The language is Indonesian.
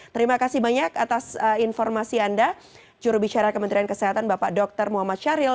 terima kasih banyak atas informasi anda jurubicara kementerian kesehatan bapak dr muhammad syahril